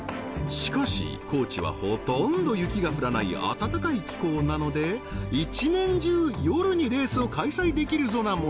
しかし高知はほとんど雪が降らない暖かい気候なので１年中夜にレースを開催できるぞな